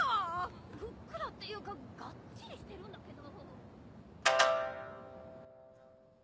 ふっくらっていうかがっちりしてるんだけど。